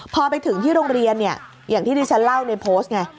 พอไปถึงที่โรงเรียนเนี่ยอย่างที่ดิฉันเล่าในโพสต์ไง